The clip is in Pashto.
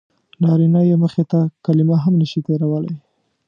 نارینه یې مخې ته کلمه هم نه شي تېرولی.